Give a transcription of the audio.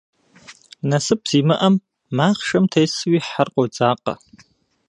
Насып зимыӏэм, махъшэм тесууи, хьэр къодзакъэ.